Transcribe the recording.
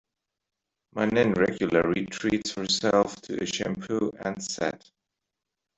My nan regularly treats herself to a shampoo and set.